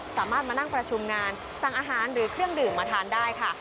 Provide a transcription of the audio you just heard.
สามารถมานั่งประชุมงานสั่งอาหารหรือเครื่องดื่มมาทานได้ค่ะ